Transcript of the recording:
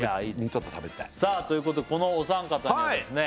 ちょっと食べたいさあということでこのお三方にはですね